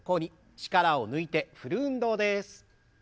力を抜いて振る運動です。